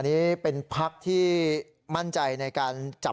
อันนี้เป็นภักดิ์ที่มั่นใจในการจับคั่ว